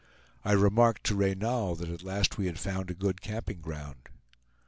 I remarked to Reynal that at last we had found a good camping ground.